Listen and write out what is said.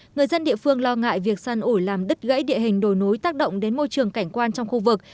người dân địa phương lo ngại việc săn ủi làm đứt gãy địa hình đồi núi tác động đến môi trường cảnh quan trong khu vực